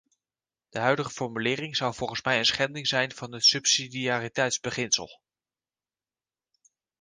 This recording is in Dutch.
De huidige formulering zou volgens mij een schending zijn van het subsidiariteitsbeginsel.